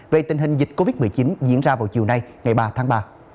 về tình hình dịch covid một mươi chín diễn ra vào chiều nay ngày ba tháng ba